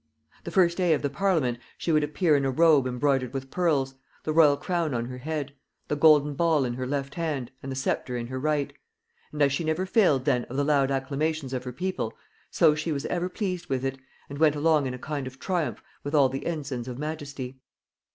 The first day of the parliament she would appear in a robe embroidered with pearls, the royal crown on her head, the golden ball in her left hand and the sceptre in her right; and as she never failed then of the loud acclamations of her people, so she was ever pleased with it, and went along in a kind of triumph with all the ensigns of majesty.